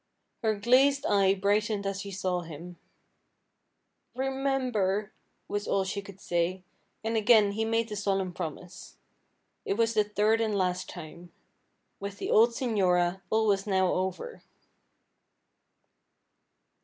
Her glazed eye brightened as she saw him. "Remember," was all she could say, and again he made the solemn promise. It was the third and last time. With the old señora all was now over.